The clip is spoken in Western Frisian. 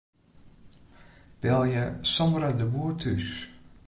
Belje Sandra de Boer thús.